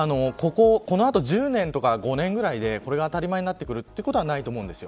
このあと１０年とか５年ぐらいでこれが当たり前になってくるということはないと思うんです。